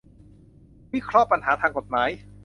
วิเคราะห์ปัญหาทางกฎหมาย